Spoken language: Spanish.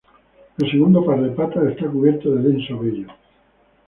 El segundo par de patas está cubierto de denso vello.